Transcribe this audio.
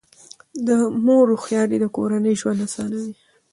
د مور هوښیاري د کورنۍ ژوند اسانوي.